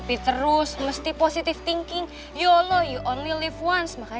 di rumah sakit political kita aman ya